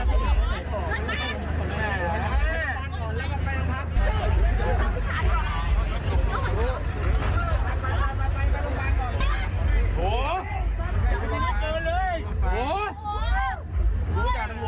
โอ้โฮโอ้โฮ